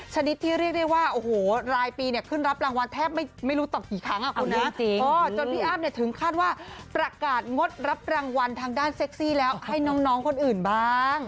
ชนิดที่เรียกได้ว่าโอ้โหรายปีเนี่ยขึ้นรับรางวัลแทบไม่รู้ต่อกี่ครั้งอ่ะคุณนะจนพี่อ้ำเนี่ยถึงคาดว่าประกาศงดรับรางวัลทางด้านเซ็กซี่แล้วให้น้องคนอื่นบ้าง